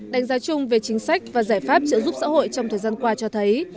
đánh giá chung về chính sách và giải pháp trợ giúp xã hội trong thời gian qua cho thấy